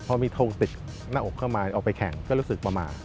พอมีทงติดหน้าอกเข้ามาออกไปแข่งก็รู้สึกประมาท